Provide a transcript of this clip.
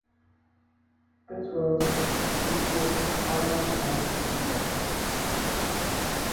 This was Patrese's final Grand Prix victory.